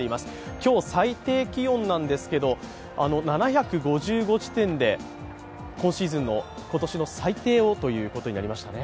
今日最低気温なんですけど７５５地点で今シーズンの今年の最低をということになりましたね。